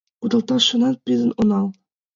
Кудалташ шонен пидын онал.